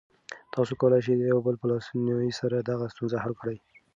تاسو کولی شئ د یو بل په لاسنیوي سره دغه ستونزه حل کړئ.